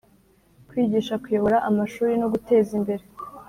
Kwigisha kuyobora amashuli no guteza imbere